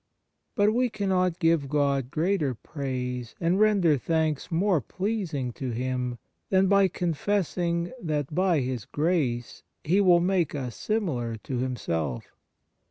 But we cannot give God greater praise and render thanks more pleasing to Him than by confessing that by His grace He will make us similar to Himself.